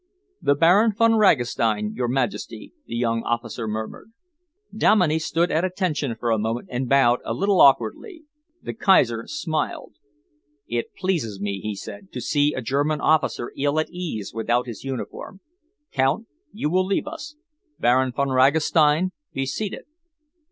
"The Baron Von Ragastein, your Majesty," the young officer murmured. Dominey stood at attention for a moment and bowed a little awkwardly. The Kaiser smiled. "It pleases me," he said, "to see a German officer ill at ease without his uniform. Count, you will leave us. Baron Von Ragastein, be seated."